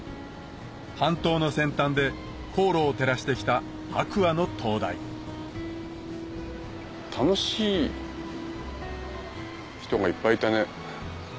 半島の先端で航路を照らしてきた白亜の灯台楽しい人がいっぱいいたね。